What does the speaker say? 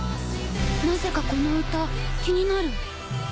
なぜかこの歌気になる。